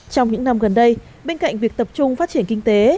trong những năm gần đây bên cạnh việc tập trung phát triển kinh tế